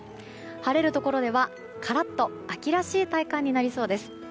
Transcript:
晴れるところでは、カラッと秋らしい体感になりそうです。